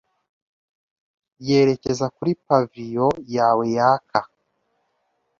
yerekeza kuri pavilion yawe yaka